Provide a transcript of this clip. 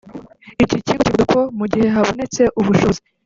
Iki kigo kivuga ko mu gihe habonetse ubushobozi